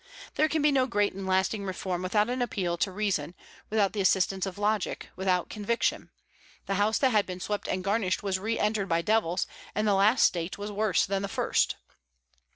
There can be no great and lasting reform without an appeal to reason, without the assistance of logic, without conviction. The house that had been swept and garnished was re entered by devils, and the last state was worse than the first.